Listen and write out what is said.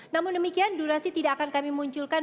namun demikian durasi tidak akan kami munculkan